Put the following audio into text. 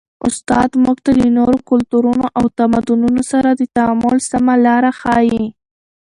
استاد موږ ته د نورو کلتورونو او تمدنونو سره د تعامل سمه لاره ښيي.